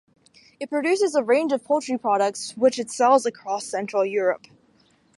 It produces a range of poultry products which it sells across Central Europe.